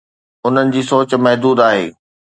انهن جي سوچ محدود آهي.